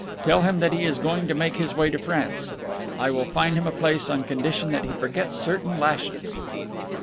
Tell him that he is going to make his way in France. I will find him a place on condition that he forgets certain lashes."